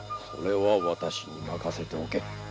それは私に任せておけ。